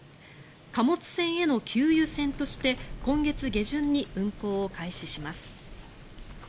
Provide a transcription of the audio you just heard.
貨物船への給油船として今月下旬に運航を開始します。